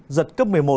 giật cấp một mươi một